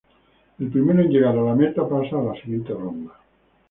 El primero en llegar a la meta pasa a la siguiente ronda.